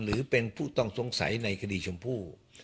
หรือเป็นผู้ต้องสงสัยในคดีชมพู่